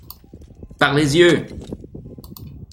Par les yeux!